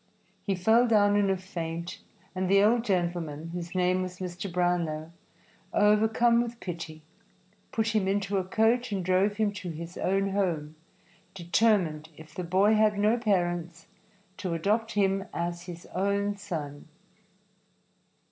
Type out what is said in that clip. He fell down in a faint, and the old gentleman, whose name was Mr. Brownlow, overcome with pity, put him into a coach and drove him to his own home, determined, if the boy had no parents, to adopt him as his own son.